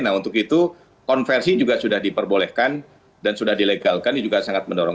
nah untuk itu konversi juga sudah diperbolehkan dan sudah dilegalkan ini juga sangat mendorong